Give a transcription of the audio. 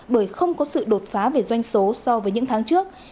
bởi không có sự đột phá về doanh số so với những tháng trước